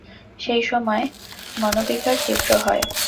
সেই সময় মনোবিকার তীব্র হয়।